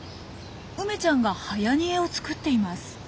梅ちゃんがはやにえを作っています。